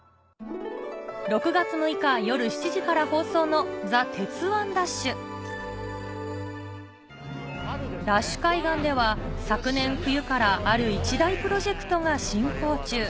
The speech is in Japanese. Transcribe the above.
６月６日夜７時から放送のＤＡＳＨ海岸では昨年冬からある一大プロジェクトが進行中